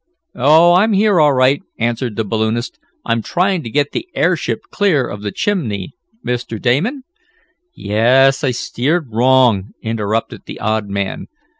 "Oh, I'm here all right," answered the balloonist. "I'm trying to get the airship clear of the chimney. Mr. Damon " "Yes, I steered wrong!" interrupted the odd man.